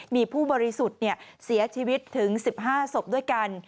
มีผู้บริสุทธิ์เสียชีวิตถึง๑๕ศพด้วยกัน